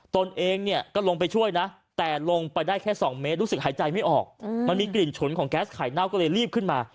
ตนเองเนี่ยก็ลงไปช่วยนะแต่ลงไปได้แค่๒เมตรรู้สึกหายใจไม่ออกมันมีกลิ่นฉุนของแก๊สไข่เน่าก็เลยรีบขึ้นมา